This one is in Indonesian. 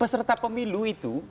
peserta pemilu itu